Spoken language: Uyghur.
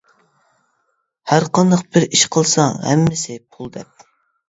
ھەرقانداق بىر ئىش قىلساڭ ھەممىسى پۇل دەپ.